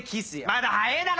まだ早えぇだろ！